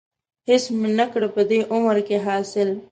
هېڅ مې نه کړه په دې عمر کې حاصل.